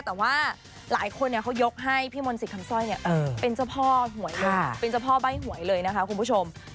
แต่ว่าหลายคนเขายกให้พี่มนต์สิทธิคำสร้อยเป็นเจ้าพ่อหวยเลยเป็นเจ้าพ่อใบ้หวยเลยนะคะคุณผู้ชม